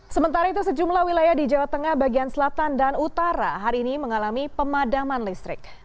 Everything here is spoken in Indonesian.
sementara itu sejumlah wilayah di jawa tengah bagian selatan dan utara hari ini mengalami pemadaman listrik